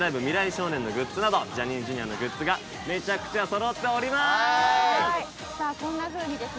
少年のグッズなどジャニーズＪｒ．のグッズがめちゃくちゃそろっております！